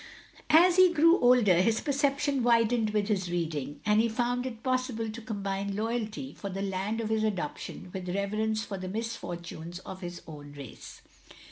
As he grew older, his perception widened with his reading, and he found it possible to combine loyalty for the land of his adoption with reverence for the misfortunes of his own race.